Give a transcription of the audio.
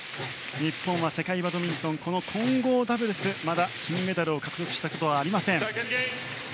日本は世界バドミントンこの混合ダブルスでまだ金メダルを獲得したことはありません。